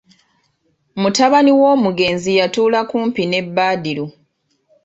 Mutabani w'Omugenzi yatuula kumpi ne Badru.